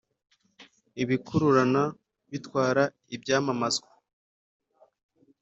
ibikururana bitwara ibyamamazwa